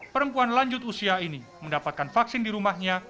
perempuan lanjut usia ini mendapatkan vaksin di rumahnya